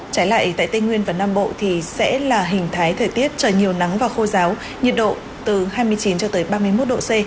trái lại tại tây nguyên và nam bộ thì sẽ là hình thái thời tiết trời nhiều nắng và khô giáo nhiệt độ từ hai mươi chín cho tới ba mươi một độ c